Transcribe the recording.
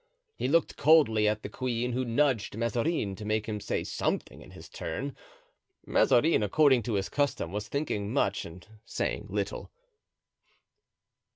He looked coldly at the queen, who nudged Mazarin to make him say something in his turn. Mazarin, according to his custom, was thinking much and saying little.